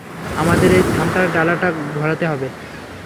আমাদের এই থামটার ডালাটা ঘোরাতে হবে!